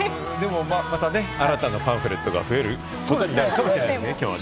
また新たなパンフレットが増えることになるかもしれないね、きょうね。